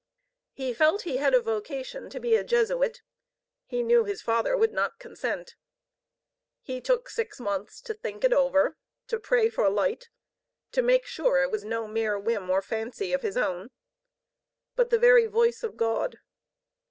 He felt he had a vocation to be a Jesuit. He knew his father would not consent. He took six months to think it over, to pray for light, to make sure it was no mere whim or fancy of his own, but the very voice of God.